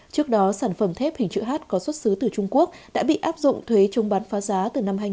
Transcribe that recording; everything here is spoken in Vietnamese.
trước đó sản phẩm thép hình chữ h có xuất xứ từ trung quốc đã bị áp dụng thuế chống bán phá giá từ năm hai nghìn một mươi